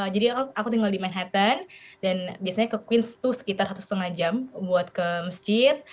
jadi aku tinggal di manhattan dan biasanya ke queens itu sekitar satu setengah jam buat ke masjid